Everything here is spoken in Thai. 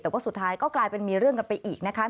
แต่ว่าสุดท้ายก็กลายเป็นมีเรื่องกันไปอีกนะคะ